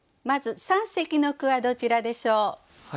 まず三席の句はどちらでしょう。